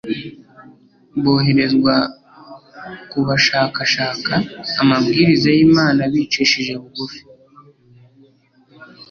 boherezwa ku bashakashaka amabwiriza y'Imana bicishije bugufi.